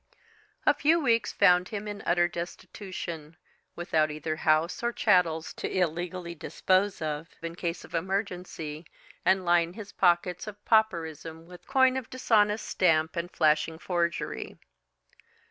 A few weeks found him in utter destitution, without either house or chattels to illegally dispose of in case of emergency, and line his pockets of pauperism with coin of dishonest stamp and flashing forgery.